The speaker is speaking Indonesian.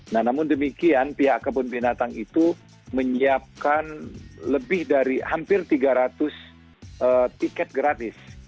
nah namun demikian pihak kebun binatang itu menyiapkan lebih dari hampir tiga ratus tiket gratis